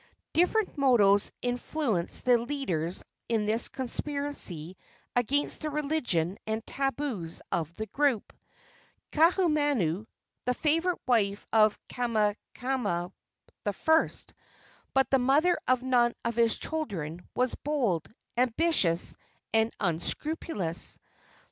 Different motives influenced the leaders in this conspiracy against the religion and tabus of the group. Kaahumanu, the favorite wife of Kamehameha I., but the mother of none of his children, was bold, ambitious and unscrupulous.